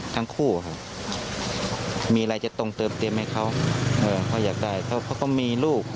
ทั้งคู่ครับมีอะไรจะตรงเติมเต็มให้เขาเขาอยากได้เขาก็มีลูก